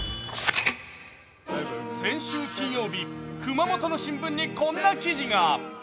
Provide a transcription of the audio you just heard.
先週金曜日、熊本の新聞にこんな記事が。